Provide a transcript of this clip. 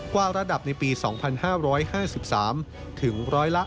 กว่าระดับในปี๒๕๕๓ถึง๑๓